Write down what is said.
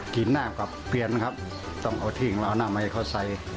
กลิ่นหน้ากับเปลี่ยนครับต้องเอาที่เหล่าน่ะไม่ให้เขาใส่